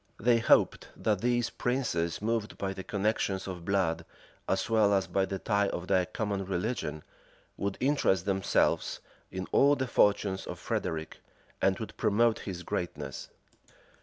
They hoped that these princes, moved by the connections of blood, as well as by the tie of their common religion, would interest themselves in all the fortunes of Frederic, and would promote his greatness.